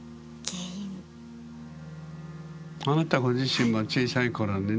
あなたご自身も小さい頃にね。